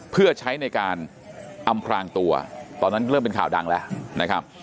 เพื่อใช้ในการอำพรางตัวตอนนั้นเริ่มเป็นข่าวดังแล้วนะครับ